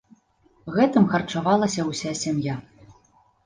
Гэтым харчавалася ўся сям'я.